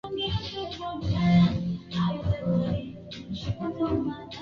Roho yangu msifu Bwana.